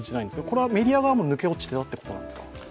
これはメディア側も抜け落ちてたってことなんですか。